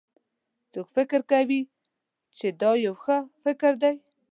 څوک فکر کوي چې دا یو ښه فکر ده